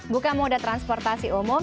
bukan moda transportasi umum